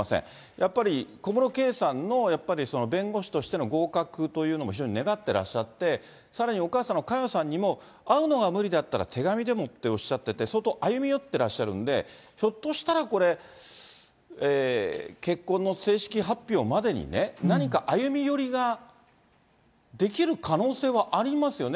やっぱり小室圭さんのやっぱり弁護士としての合格というのも、非常に願ってらっしゃって、さらにお母さんの佳代さんにも、会うのが無理だったら手紙でもっておっしゃってて、相当歩み寄ってらっしゃるんで、ひょっとしたらこれ、結婚の正式発表までにね、何か歩み寄りができる可能性はありますよね。